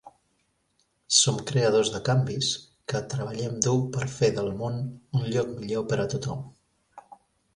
Som creadors de canvis que treballem dur per fer del món un lloc millor per a tothom.